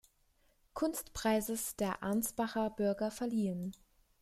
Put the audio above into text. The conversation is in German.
Kunstpreises der Ansbacher Bürger verliehen.